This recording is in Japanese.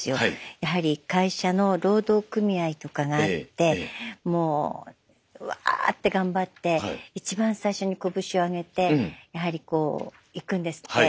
やはり会社の労働組合とかがあってもうワーッて頑張って一番最初にこぶしをあげてやはりこう行くんですって。